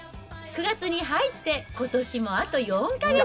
９月に入って、ことしもあと４か月。